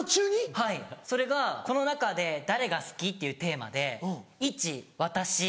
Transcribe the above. はいそれがこの中で誰が好き？っていうテーマで「１私」。